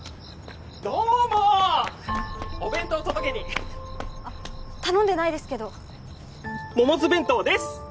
どうもーお弁当届けにあっ頼んでないですけどモモズ弁当です！